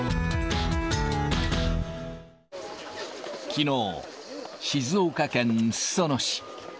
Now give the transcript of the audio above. きのう、静岡県裾野市。